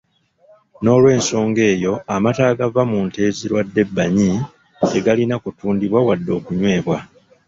N’olw’ensonga eyo amata agava mu nte ezirwadde ebbanyi tegalina kutundibwa wadde okunywebwa.